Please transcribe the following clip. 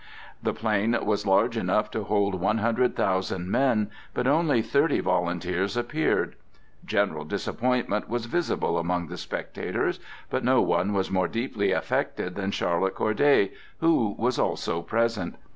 The plain was large enough to hold one hundred thousand men; but only thirty volunteers appeared. General disappointment was visible among the spectators; but no one was more deeply affected than Charlotte Corday, who was also present.